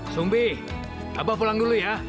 sumbi abah pulang dulu ya